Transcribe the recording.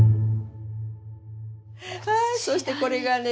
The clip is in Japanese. はいそしてこれがですね。